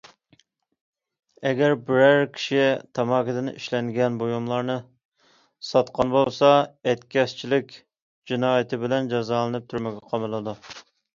ئەگەر بىرەر كىشى تاماكىدىن ئىشلەنگەن بۇيۇملارنى ساتقان بولسا ئەتكەسچىلىك جىنايىتى بىلەن جازالىنىپ تۈرمىگە قامىلىدۇ.